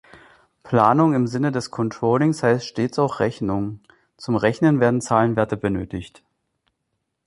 Planung im Sinne des Controllings heißt stets auch Rechnung; zum Rechnen werden Zahlenwerte benötigt.